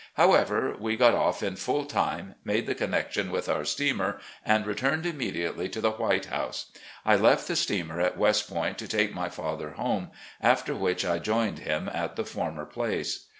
However, we got off in full time — ^made the connection with our steamer, and returned immediately to the "White House." I left the steamer at West Point to take my horse home, after which I joined him at the former place.